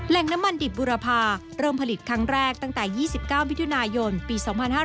น้ำมันดิบบุรพาเริ่มผลิตครั้งแรกตั้งแต่๒๙มิถุนายนปี๒๕๕๙